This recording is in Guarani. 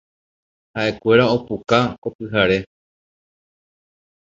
Ha’ekuéra opuka ko pyhare.